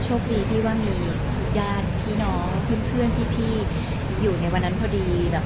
โชคดีที่ว่ามีญาติพี่น้องเพื่อนพี่อยู่ในวันนั้นพอดี